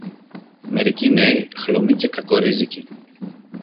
Μερικοί νέοι, χλωμοί και κακορίζικοι